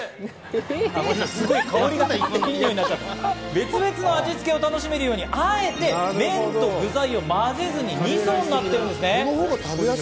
別々の味つけを楽しめるようにあえて麺と具材をまぜずに２層になっているんですね。